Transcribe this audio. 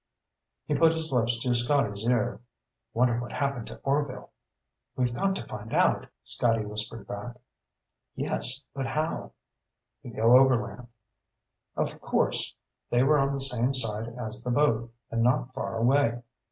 He put his lips to Scotty's ear. "Wonder what happened to Orvil?" "We've got to find out," Scotty whispered back. "Yes, but how?" "We go overland." Of course! They were on the same side as the boat, and not far away.